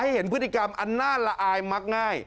เห็นพฤติกรรมอันน่าละอายมักง่าย